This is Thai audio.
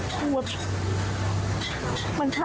มันทารุนเกินไปมันเกินไป